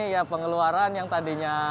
ya pengeluaran yang tadinya